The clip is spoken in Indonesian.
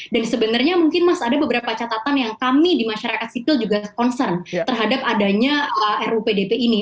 dan sebenarnya mungkin mas ada beberapa catatan yang kami di masyarakat sipil juga concern terhadap adanya ru pdp ini